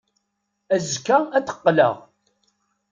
Azekka ad d-qqleɣ.